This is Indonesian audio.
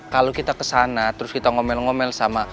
kalau kita kesana terus kita ngomel ngomel sama